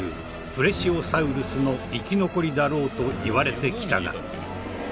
プレシオサウルスの生き残りだろうといわれてきたが。